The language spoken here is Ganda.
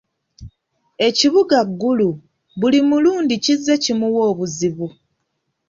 Ekibuga Gulu buli mulundi kizze kimuwa obuzibu.